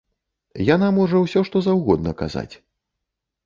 Яна можа ўсё што заўгодна казаць.